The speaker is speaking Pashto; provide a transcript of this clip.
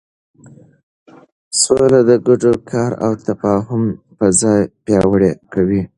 سوله د ګډ کار او تفاهم فضا پیاوړې کوي.